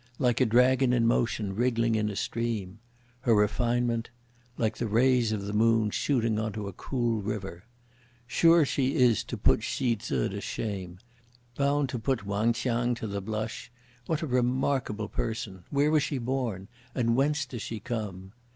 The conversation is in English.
Like a dragon in motion wriggling in a stream; Her refinement? Like the rays of the moon shooting on to a cool river. Sure is she to put Hsi Tzu to shame! Bound to put Wang Ch'iang to the blush! What a remarkable person! Where was she born? and whence does she come?